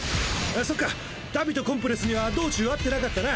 そっか荼毘とコンプレスには道中会ってなかったな！